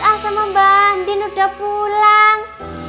ah sama mbak andin udah pulang